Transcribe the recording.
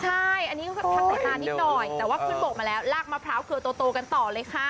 ใช่อันนี้ก็ทักสายตานิดหน่อยแต่ว่าขึ้นบกมาแล้วลากมะพร้าวเครือโตกันต่อเลยค่ะ